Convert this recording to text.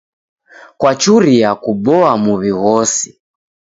Kwachuria kuboa muw'i ghose.